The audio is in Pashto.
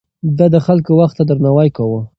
ده د خلکو وخت ته درناوی کاوه.